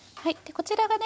こちらがね